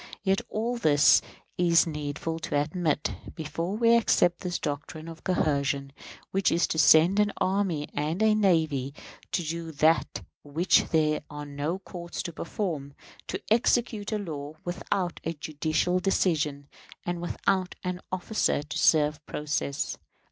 Yet all this it is needful to admit, before we accept this doctrine of coercion, which is to send an army and a navy to do that which there are no courts to perform; to execute the law without a judicial decision, and without an officer to serve process.